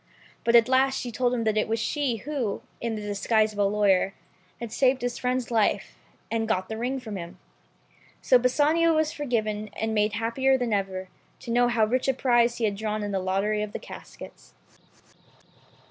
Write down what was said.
But at last she told him that it was she who, in the disguise of the lawyer, had saved his friend's life, and got the ring from him. So Bassanio was forgiven, and made happier than ever, to know how rich a prize he had drawn at the lottery of the caskets.